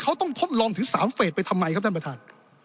เขาต้องทดลองถึง๓เฟสไปทำไมครับท่านประธาน